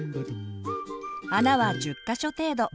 穴は１０か所程度。